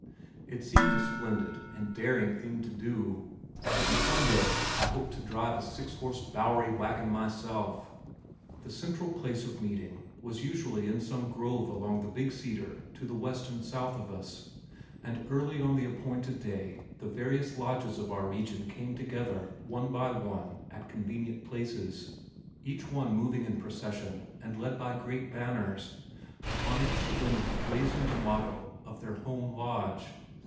It seemed a splendid and daring thing to do, and some day I hoped to drive a six horse bowery wagon myself. The central place of meeting was usually in some grove along the Big Cedar to the west and south of us, and early on the appointed day the various lodges of our region came together one by one at convenient places, each one moving in procession and led by great banners on which the women had blazoned the motto of their home lodge.